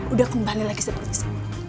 udah kembali lagi seperti saya